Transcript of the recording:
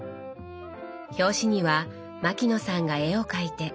表紙には牧野さんが絵を描いて。